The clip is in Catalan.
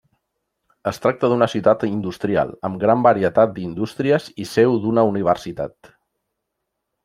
Es tracta d'una ciutat industrial, amb gran varietat d'indústries i seu d'una universitat.